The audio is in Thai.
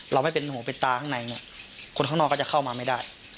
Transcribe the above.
เราไม่เป็นหูเป็นตาข้างในเนี่ยคนข้างนอกก็จะเข้ามาไม่ได้